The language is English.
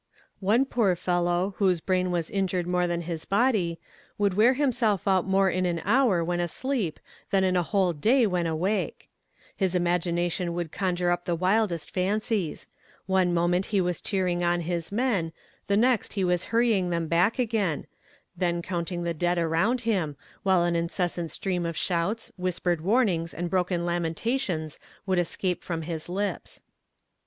One poor fellow, whose brain was injured more than his body, would wear himself out more in an hour when asleep than in a whole day when awake. His imagination would conjure up the wildest fancies; one moment he was cheering on his men, the next he was hurrying them back again; then counting the dead around him, while an incessant stream of shouts, whispered warnings and broken lamentations would escape from his lips.